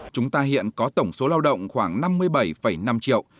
chúng ta hiện có tổng số lao động khoảng năm mươi bảy năm triệu